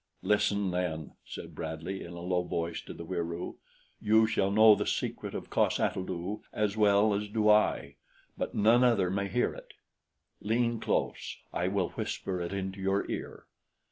"Listen, then," said Bradley in a low voice to the Wieroo. "You shall know the secret of cos ata lu as well as do I; but none other may hear it. Lean close I will whisper it into your ear."